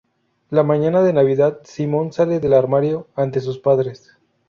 La mañana de Navidad, Simon sale del armario ante sus padres.